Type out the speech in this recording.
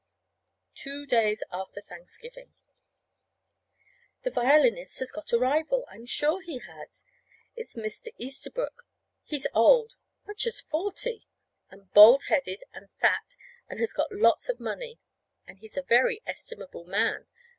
Two days after Thanksgiving. The violinist has got a rival. I'm sure he has. It's Mr. Easterbrook. He's old much as forty and bald headed and fat, and has got lots of money. And he's a very estimable man.